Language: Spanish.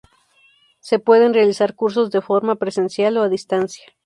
Se pueden realizar cursos de forma presencial o a distancia.